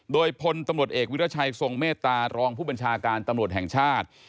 โดยพลตำรวจเอกวิรัชัยทรงเมตตารองผู้บัญชาการตำรวจแห่งชาติ